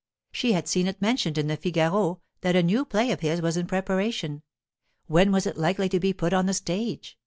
She had seen it mentioned in the Figaro that a new play of his was in preparation; when was it likely to be put on the stage?